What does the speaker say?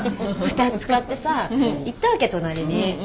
２つ買ってさ行ったわけ隣に。